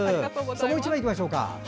もう１枚いきましょう。